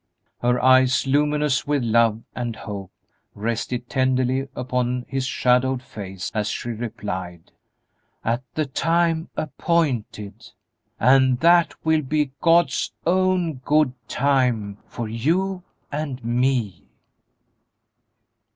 Her eyes, luminous with love and hope, rested tenderly upon his shadowed face as she replied, "At the time appointed, "'And that will be God's own good time, for you and me.'"